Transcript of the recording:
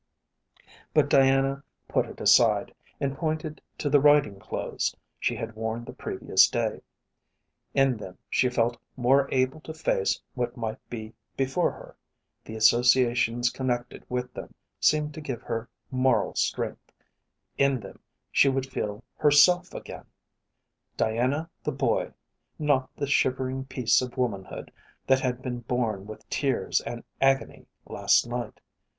But Diana put it aside, and pointed to the riding clothes she had worn the previous day. In them she felt more able to face what might be before her, the associations connected with them seemed to give her moral strength, in them she would feel herself again Diana the boy, not the shivering piece of womanhood that had been born with tears and agony last night.